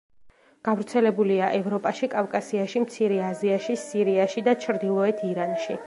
გავრცელებულია ევროპაში, კავკასიაში, მცირე აზიაში, სირიაში და ჩრდილოეთ ირანში.